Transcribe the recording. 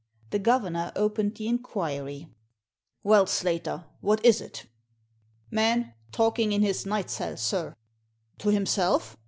The governor opened the inquiry. "Well, Slater, what is it?" " Man talking in his night cell, sir." " To himself?